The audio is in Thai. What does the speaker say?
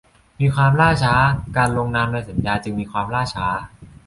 มีความล่าช้า การลงนามในสัญญาจึงมีความล่าช้า